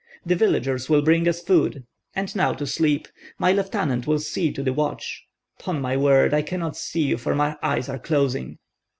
The villagers will bring us food, and now to sleep! My lieutenant will see to the watch. 'Pon my word, I cannot see you, for my eyes are closing."